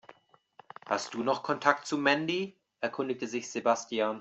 Hast du noch Kontakt zu Mandy?, erkundigte sich Sebastian.